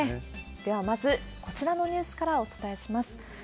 では、まずこちらのニュースからお伝えします。